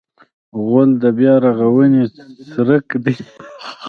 غول د بیا رغونې څرک دی.